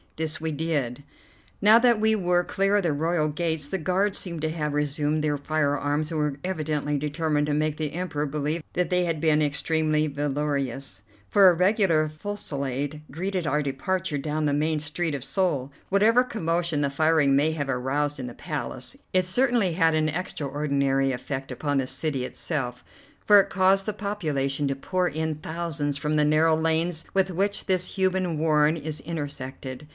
This we did. Now that we were clear of the royal gates, the guards seemed to have resumed their firearms and were evidently determined to make the Emperor believe that they had been extremely valorous, for a regular fusillade greeted our departure down the main street of Seoul. Whatever commotion the firing may have aroused in the Palace, it certainly had an extraordinary effect upon the city itself, for it caused the population to pour in thousands from the narrow lanes with which this human warren is intersected.